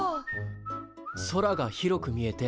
空が広く見えて。